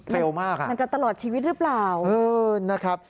เร็วมากอ่ะมันจะตลอดชีวิตหรือเปล่าเออนะครับ